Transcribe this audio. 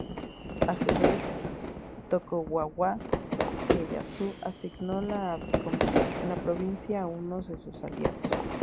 A su vez Tokugawa Ieyasu asignó la provincia a unos de sus aliados.